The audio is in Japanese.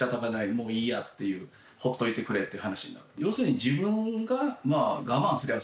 もういいやっていうほっといてくれって話になる。